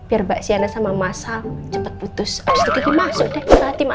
itu tiba tiba tv meledak gitu udah minumnya dulu minum minum